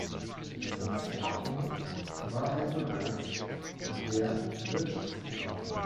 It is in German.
Zu diesem Zeitpunkt war er bereits Wehrwirtschaftsführer.